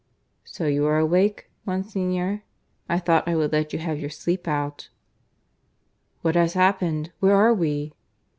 "So you are awake, Monsignor? I thought I would let you have your sleep out." "What has happened? Where are we?"